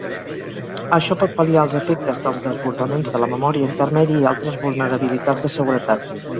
Això pot pal·liar els efectes dels desbordaments de la memòria intermèdia i altres vulnerabilitats de seguretat.